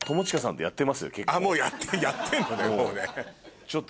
もうやってんのねもうね。